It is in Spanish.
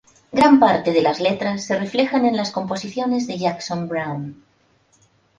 Gran parte de las letras se reflejan en las composiciones de Jackson Browne.